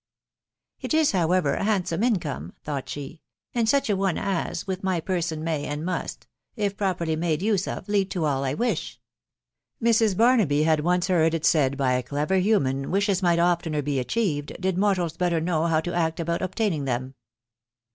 " It is, however, a handsome income," thought, she, " and such a one as, with my person, may, and must, if properly made use of, lead to all I wish !".... Mrs. Barnaby had once heard it said by a cterex uxwx, &&\ THE WIDOW BARNABY/. 03 Human wishes might oftener be achieved, did mortals better jtnow how to set about obtaining them.